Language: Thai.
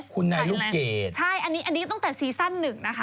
คุณนายลูกเกดใช่อันนี้อันนี้ตั้งแต่ซีซั่นหนึ่งนะคะ